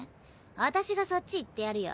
あたしがそっち行ってやるよ。